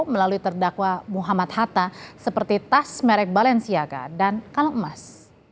melalui terdakwa muhammad hatta seperti tas merek balensiaka dan kalung emas